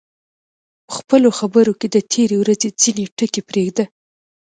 په خپلو خبرو کې د تېرې ورځې ځینې ټکي پرېږده.